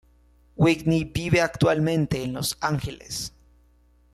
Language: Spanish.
Whitney vive actualmente en Los Ángeles.